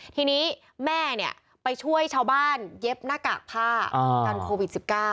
ทีนี้แม่ไปช่วยชาวบ้านเย็บหน้ากากผ้ากันโควิด๑๙